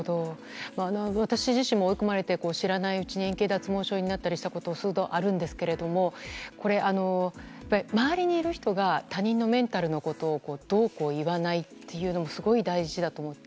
私自身も追い込まれて知らないうちに円形脱毛症になったことがあるんですが周りにいる人が他人のメンタルのことをどうこう言わないというのもすごい大事だと思って。